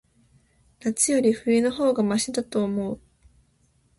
夏より、冬の方がましだと思う。